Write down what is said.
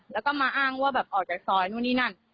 แล้วก็มาอ้างว่าแบบออกจากซอยนู่นนี่นั่น